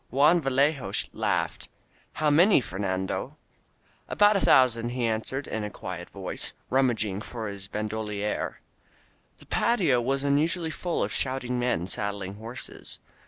Juan Vallejo laughed: "How many, Fer nando?" "About a thousand," he answered in a quiet voice, rummaging for his bandolier. The patio was unusually full of shouting men sad dling horses.